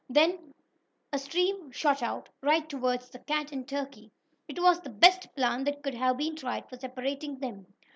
Then a stream shot out, right toward the cat and turkey. It was the best plan that could have been tried for separating them.